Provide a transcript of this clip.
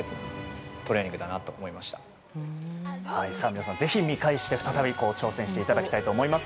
皆さん、ぜひ見返して再び挑戦していただきたいと思います。